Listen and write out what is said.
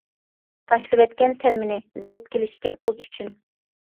تاشلىۋەتكەن سەن مېنى، زەپ كېلىشكەن ئۇز ئۈچۈن.